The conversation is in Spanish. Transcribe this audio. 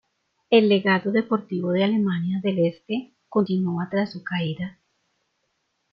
El legado deportivo de Alemania del Este continúa tras su caída.